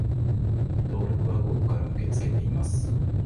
登録は午後から受け付けています